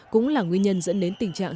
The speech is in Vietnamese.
cũng là nguyên nhân dẫn đến tình trạng